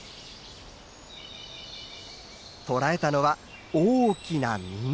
捕らえたのは大きなミミズ。